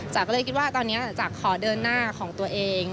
ก็เลยคิดว่าตอนนี้จ๋าขอเดินหน้าของตัวเอง